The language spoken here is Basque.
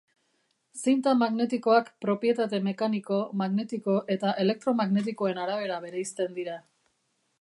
Zinta magnetikoak propietate mekaniko, magnetiko eta elektromagnetikoen arabera bereizten dira.